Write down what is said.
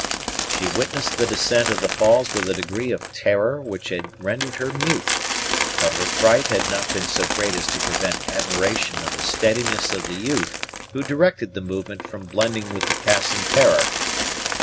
She witnessed the descent of the falls with a degree of terror which had rendered her mute; but her fright had not been so great as to prevent admiration of the steadiness of the youth who directed the movement from blending with the passing terror.